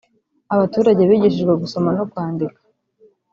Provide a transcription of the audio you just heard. abaturage bigishijwe gusoma no kwandika